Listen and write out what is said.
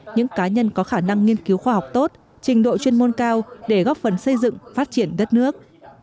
những cá nhân có khả năng nghiên cứu khoa học tốt trình độ chuyên môn cao để góp phần xây dựng phát triển đất nước